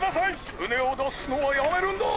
ふねをだすのはやめるんだ！